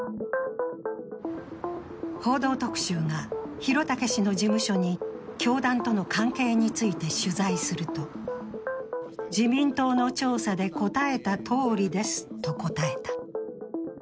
「報道特集」が宏武氏の事務所に教団との関係について取材すると、自民党の調査で答えたとおりですと答えた。